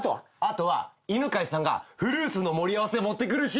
後は犬飼さんがフルーツの盛り合わせ持ってくるシーン。